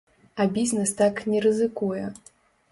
А бізнес так не рызыкуе.